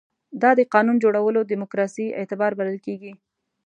دا د قانون جوړولو دیموکراسي اعتبار بلل کېږي.